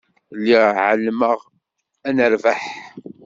Lliɣ εelmeɣ ad nerbeḥ.